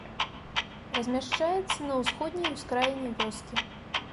Размяшчаецца на ўсходняй ускраіне вёскі.